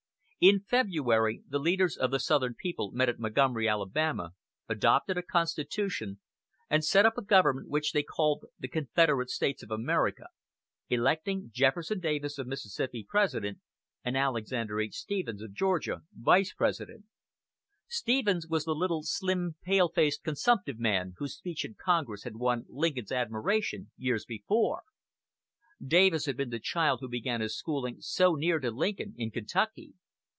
In February the leaders of the Southern people met at Montgomery, Alabama, adopted a Constitution, and set up a government which they called the Confederate States of America, electing Jefferson Davis, of Mississippi, President, and Alexander H. Stephens, of Georgia, Vice President. Stephens was the "little, slim pale faced consumptive man" whose speech in Congress had won Lincoln's admiration years before. Davis had been the child who began his schooling so near to Lincoln in Kentucky.